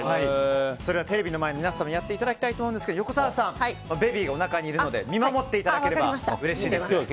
テレビの前の皆さんもやってもらいたいと思いますが横澤さんはベビーがおなかにいるので見守っていただければうれしいです。